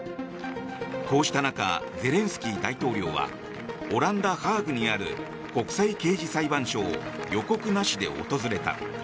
こうした中ゼレンスキー大統領はオランダ・ハーグにある国際刑事裁判所を予告なしで訪れた。